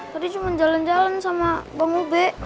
tadi cuma jalan jalan sama bang ube